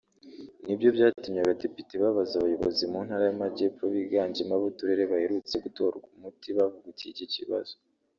nibyo byatumye Abadepite babaza abayobozi mu ntara y’Amajyepfo biganjemo ab’uturere baherutse gutorwa umuti bavugutiye iki kibazo